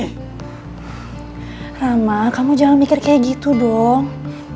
rama kamu jangan mikir kayak gitu dong